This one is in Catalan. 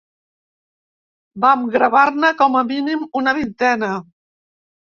Vam gravar-ne com a mínim una vintena.